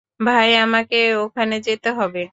তাই আমাকে ওখানে যেতে হবে।